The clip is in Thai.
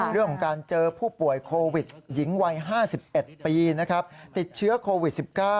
เรื่องของการเจอผู้ป่วยโควิดหญิงวัย๕๑ปีติดเชื้อโควิด๑๙